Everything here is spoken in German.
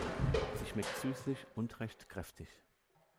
Sie schmeckt süßlich und recht kräftig.